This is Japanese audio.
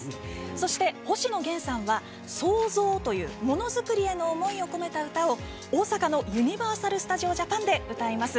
そして、星野源さんは「創造」というものづくりへの思いを込めた歌を大阪のユニバーサル・スタジオ・ジャパンで歌います。